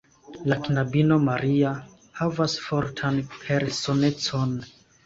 La knabino Maria havas fortan personecon.